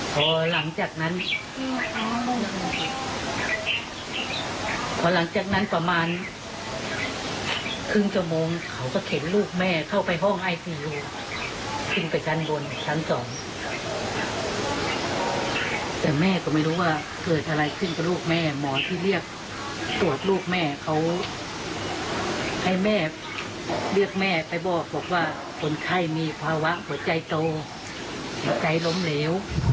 พอหลังจากนั้นพอหลังจากนั้นประมาณครึ่งชั่วโมงเขาก็เข็นลูกแม่เข้าไปห้องไอทีขึ้นไปชั้นบนชั้นสองแต่แม่ก็ไม่รู้ว่าเกิดอะไรขึ้นกับลูกแม่หมอที่เรียกตรวจลูกแม่เขาให้แม่เรียกแม่ไปบอกว่าคนไข้มีภาวะหัวใจโตหัวใจล้มเหลว